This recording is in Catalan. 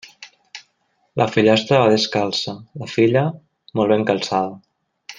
La fillastra va descalça; la filla, molt ben calçada.